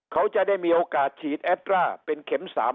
เขาจะได้มีโอกาสฉีดแอดร่าเป็นเข็ม๓